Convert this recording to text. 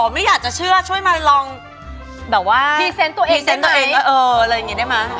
ไม่อยากจะเชื่อช่วยมาลองแบบว่าพรีเซนต์ตัวเองอะไรอย่างนี้ได้ไหม